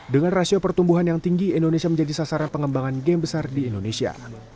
dengan rasio pertumbuhan yang tinggi indonesia menjadi sasaran pengembangan game besar di indonesia